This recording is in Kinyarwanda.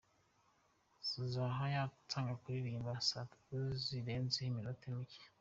Zahara yatangiye kuririmba saa tanu zirenzeho iminota mike.